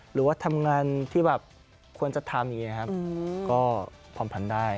หรือว่าทำงานที่แบบควรจะทำอย่างนี้ครับก็ผ่อนผันได้